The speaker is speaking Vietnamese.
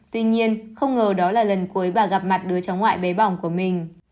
tuy nhiên không ngờ đó là lần cuối bà gặp mặt đứa cháu ngoại bé bỏng của mình